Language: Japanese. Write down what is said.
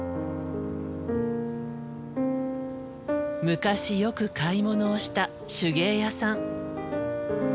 昔よく買い物をした手芸屋さん。